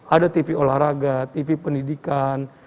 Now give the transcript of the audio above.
ada tv olahraga tv pendidikan